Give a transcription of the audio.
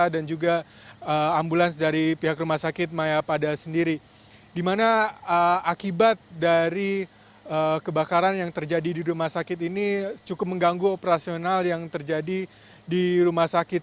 dan juga ambulans dari pihak rumah sakit mayapada sendiri di mana akibat dari kebakaran yang terjadi di rumah sakit ini cukup mengganggu operasional yang terjadi di rumah sakit